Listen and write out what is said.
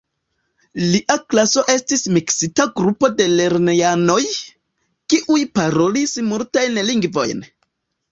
Lia klaso estis miksita grupo de lernejanoj, kiuj parolis multajn lingvojn.